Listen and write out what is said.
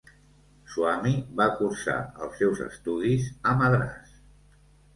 Swamy va cursar els seus estudis a Madras.